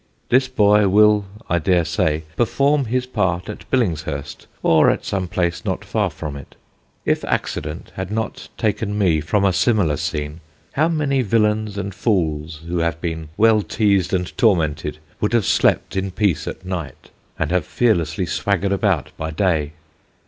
This boy will, I daresay, perform his part at Billingshurst, or at some place not far from it. If accident had not taken me from a similar scene, how many villains and fools, who have been well teased and tormented, would have slept in peace at night, and have fearlessly swaggered about by day!